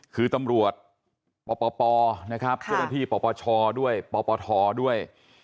คือตำรวจปปนะครับเจ้าหน้าที่ปปชด้วยปปทด้วย